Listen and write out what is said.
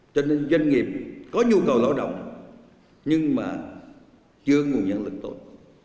cho nên doanh nghiệp có nhu cầu lao động nhưng mà chưa nguồn nhân lực tốt